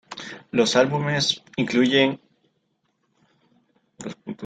Los álbumes incluyen:Ï